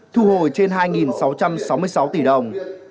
thu hồi trên hai sáu trăm sáu mươi sáu tỷ đồng